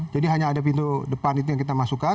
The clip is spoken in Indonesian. jadi hanya ada pintu depan itu yang kita masukkan